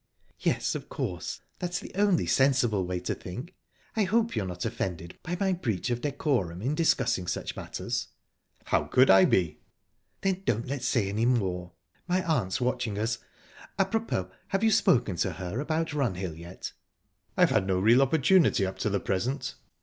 "Yes, of course that's the only sensible way to think...I hope you're not offended by my breach of decorum in discussing such matters?" "How could I be?" "Then don't let's say any more. My aunt's watching us...Apropos, have you spoken to her about Runhill yet?" "I've had no real opportunity up to the present."